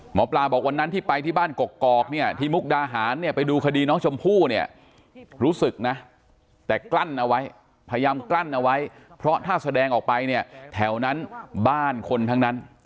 หมอปลาบอกวันนั้นที่ไปที่บ้านกกอกเนี่ยที่มุกดาหารเนี่ยไปดูคดีน้องชมพู่เนี่ยรู้สึกนะแต่กลั้นเอาไว้พยายามกลั้นเอาไว้เพราะถ้าแสดงออกไปเนี่ยแถวนั้นบ้านคนทั้งนั้น